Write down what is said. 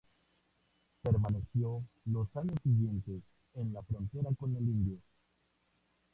Permaneció los años siguientes en la "frontera con el indio".